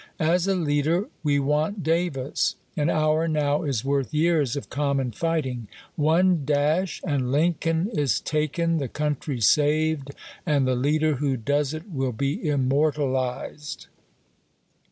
" As a leader we want Davis. An hour now is worth years of waike?, common fighting. One dash, and Lincoln is taken, V.^r' Vol! the country saved, and the leader who does it will ■'7^2.' ^^^' be immortalized."